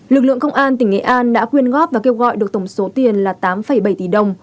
lực lượng công an tỉnh nghệ an đã quyên góp và kêu gọi được tổng số tiền là tám bảy tỷ đồng